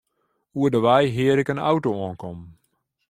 Oer de wei hear ik in auto oankommen.